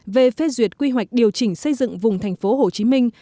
về phê duyệt quy hoạch điều chỉnh xây dựng vùng thành phố hồ chí minh